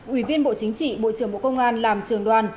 ủy viên bộ chính trị bộ trưởng bộ công an làm trường đoàn